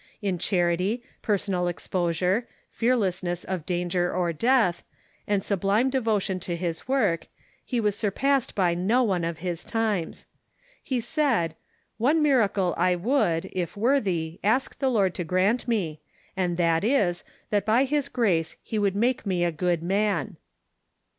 In charity, personal exposure, fearlessness of danger or death, and sublime devotion to his Avork, he was surpassed by no one of his times. He said :" One miracle I would, if worthy, ask the Lord to grant me, and that is, that by his grace he Avould make me a good man."